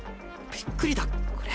びっくりだこれ。